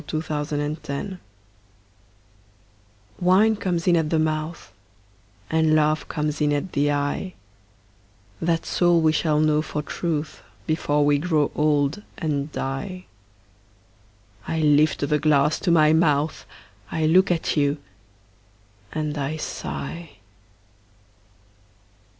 A DRINKING SONG Wine comes in at the mouth And love comes in at the eye; That's all we shall know for truth Before we grow old and die. I lift the glass to my mouth, I look at you, and I sigh.